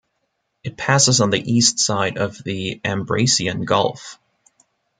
It passes on the east side of the Ambracian Gulf.